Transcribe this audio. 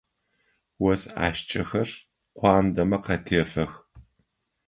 Ос ӏашкӏэхэр куандэмэ къатефэх.